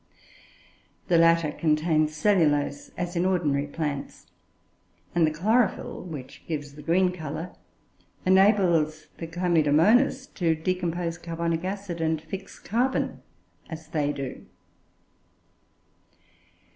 The latter contains cellulose, as in ordinary plants; and the chlorophyll which gives the green colour enables the Chlamydomonas to decompose carbonic acid and fix carbon as they do.